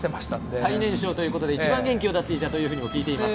最年少ということで、一番元気を出していたと聞いています。